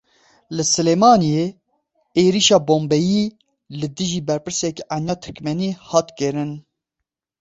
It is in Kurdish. Li Silêmaniyê êrişa bombeyî li dijî berpirsekî Eniya Tirkmenî hat kirin.